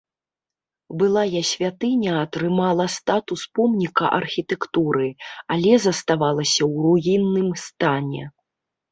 Былая святыня атрымала статус помніка архітэктуры, але заставалася ў руінным стане.